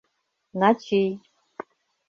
Начий: